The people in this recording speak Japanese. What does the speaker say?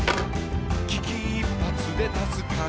「危機一髪で助かる」